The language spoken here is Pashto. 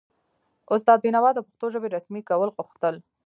استاد بینوا د پښتو ژبې رسمي کول غوښتل.